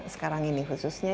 sekarang ini khususnya